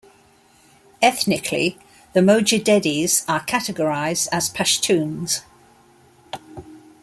Ethnically, the Mojaddedis are categorized as Pashtuns.